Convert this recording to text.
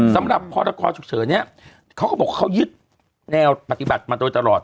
สำหรับพรกรฉุกเฉินเนี่ยเขาก็บอกว่าเขายึดแนวปฏิบัติมาโดยตลอด